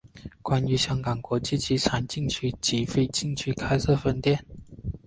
并于香港国际机场禁区及非禁区开设分店。